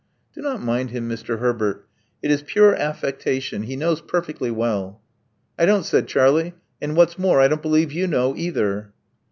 '*Do not mind him, Mr. Herbert. It is pure affec tation. He knows perfectly well." ''I don't," said Charlie; "and what's more, I don't believe you know either."